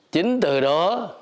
chính từ đó